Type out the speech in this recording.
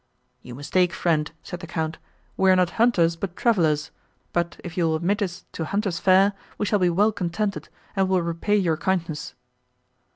"You mistake, friend," said the Count, "we are not hunters, but travellers; but, if you will admit us to hunters' fare, we shall be well contented, and will repay your kindness."